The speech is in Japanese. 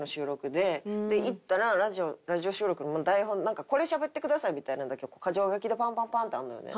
で行ったらラジオ収録の台本なんかこれしゃべってくださいみたいなのだけ箇条書きでパンパンパンっとあるのよね。